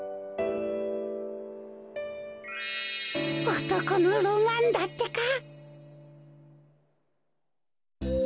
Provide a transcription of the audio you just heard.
おとこのロマンだってか。